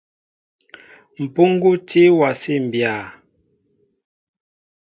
Mpuŋgu tí a wasí mbya.